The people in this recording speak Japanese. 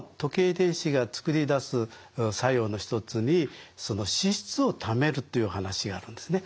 遺伝子が作り出す作用の一つにその脂質を貯めるという話があるんですね。